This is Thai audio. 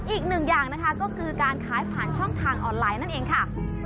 อีกหนึ่งอย่างนะคะก็คือการขายผ่านช่องทางออนไลน์นั่นเองค่ะ